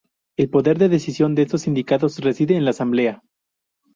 El poder de decisión de estos sindicatos reside en la asamblea.